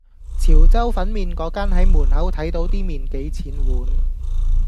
潮州粉麵果間係門口睇到啲麵幾錢碗